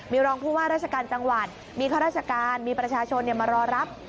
มีรองผู้ว่าราชการจังหวัดมีข้าราชการมีประชาชนมารอรับ